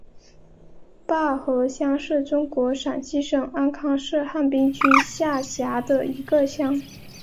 坝河乡是中国陕西省安康市汉滨区下辖的一个乡。